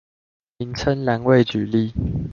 名稱欄位舉例